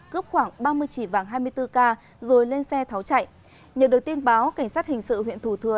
cướp khoảng ba mươi chỉ vàng hai mươi bốn k rồi lên xe tháo chạy nhận được tin báo cảnh sát hình sự huyện thủ thừa